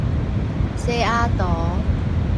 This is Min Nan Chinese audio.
西亞圖